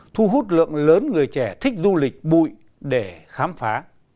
thu hút lượng lớn người trẻ thích du lịch bụi để khám phá